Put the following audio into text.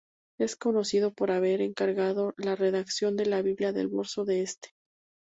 Es conocido por haber encargado la redacción de la Biblia de Borso de Este.